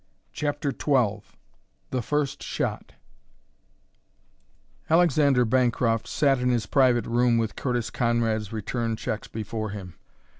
CHAPTER XII THE FIRST SHOT Alexander Bancroft sat in his private room with Curtis Conrad's return checks before him.